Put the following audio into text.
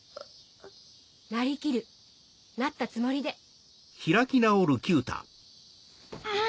なりきるなったつもりぐっ！